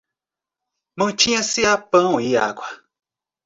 Mantinha-se a pão e água